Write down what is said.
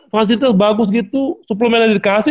fasilitas bagus gitu suplemennya dikasih